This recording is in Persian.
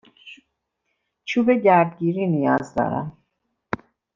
چوب گردگیری نیاز دارم.